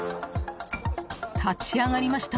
立ち上がりました。